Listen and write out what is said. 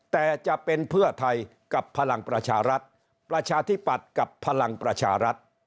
แต่จะเป็นเพื่อไทยกับพลังประชารัฐประชาธิปัตย์กับพลังประชารัฐ